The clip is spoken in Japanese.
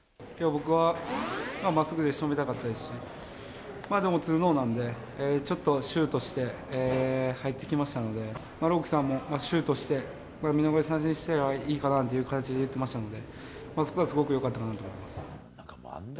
僕はまっすぐで仕留めたかったですし、でもツーノーなんで、ちょっとシュートして入ってきましたので、朗希さんもシュートして、見逃し三振にすればいいかなっていう感じでいってましたので、そこはすごくよかったかなと思います。